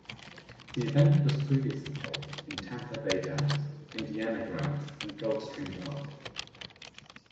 The event was previously held in Tampa Bay Downs, Indiana Grand and Gulfstream Park.